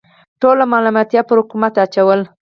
ټوله ملامتي پر حکومت اچوله.